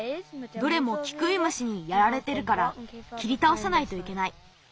どれもキクイムシにやられてるからきりたおさないといけない。